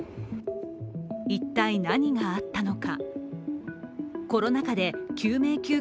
一体何があったのか。